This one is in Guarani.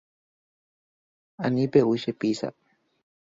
Ani pe’u che pizza.